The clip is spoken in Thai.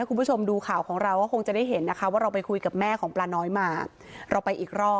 คุณผู้ชมดูข่าวของเราก็คงจะได้เห็นนะคะว่าเราไปคุยกับแม่ของปลาน้อยมาเราไปอีกรอบ